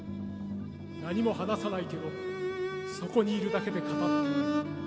何も話さないけどそこにいるだけで語っている。